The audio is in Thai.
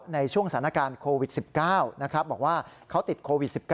ในช่วงสถานการณ์โควิด๑๙บอกว่าเขาติดโควิด๑๙